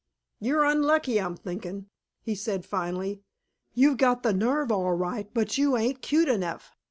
"You're unlucky, I'm thinkin'," he said finally. "You've got the nerve all right, but you ain't cute enough."